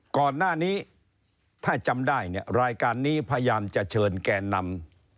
ก่อนหน้านี้ถ้าจำได้เนี่ยรายการนี้พยายามจะเชิญแกนนำ